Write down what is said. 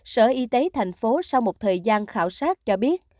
sở y tế thành phố sau một thời gian khảo sát cho biết